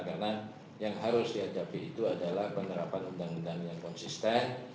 karena yang harus dihadapi itu adalah penerapan undang undang yang konsisten